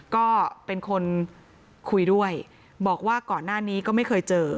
ก็เป็นคนคุยด้วยบอกว่าก่อนหน้านี้ก็ไม่เคยเจอ